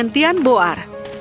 dan dia menemukan erymantos